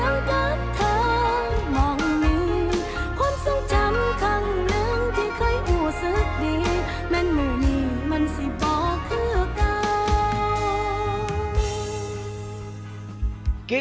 แม่งหนูนี้มันสิบอกเคลือกราว